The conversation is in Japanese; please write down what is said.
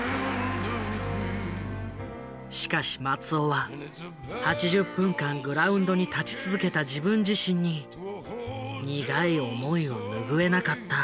しかし松尾は８０分間グラウンドに立ち続けた自分自身に苦い思いを拭えなかった。